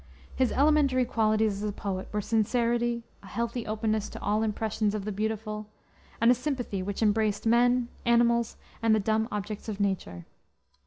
His elementary qualities as a poet were sincerity, a healthy openness to all impressions of the beautiful, and a sympathy which embraced men, animals, and the dumb objects of nature.